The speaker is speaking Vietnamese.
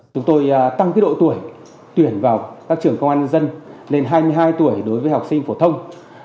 chúng tôi tăng độ tuổi tuyển vào các trường công an dân lên hai mươi hai tuổi đối với học sinh phổ thông